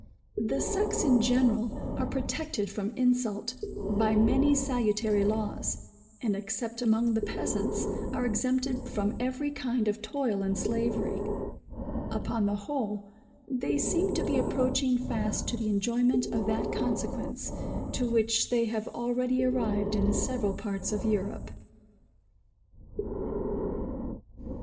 The sex, in general, are protected from insult, by many salutary laws; and, except among the peasants, are exempted from every kind of toil and slavery. Upon the whole, they seem to be approaching fast to the enjoyment of that consequence, to which they have already arrived in several parts of Europe.